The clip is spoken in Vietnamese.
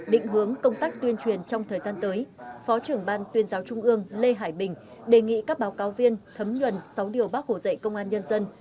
định hướng công tác tuyên truyền trong thời gian tới phó trưởng ban tuyên giáo trung ương lê hải bình đề nghị các báo cáo viên thấm nhuần sáu điều bác hồ dạy công an nhân dân